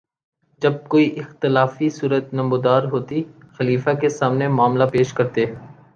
جب کوئی اختلافی صورت نمودار ہوتی، خلیفہ کے سامنے معاملہ پیش کرتے